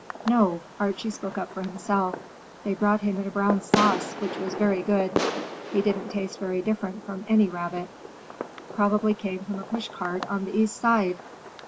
"No,"—Archie spoke up for himself,—"they brought him in a brown sauce, which was very good. He didn't taste very different from any rabbit." "Probably came from a push cart on the East Side."